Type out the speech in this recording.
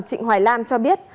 trịnh hoài lam cho biết